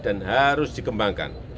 dan harus dikembangkan